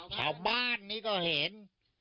ชาวบ้านนี้ก็เห็น